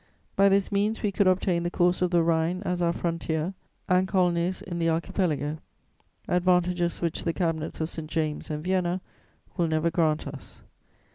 By this means we could obtain the course of the Rhine as our frontier, and colonies in the Archipelago, advantages which the Cabinets of St. James and Vienna will never grant us.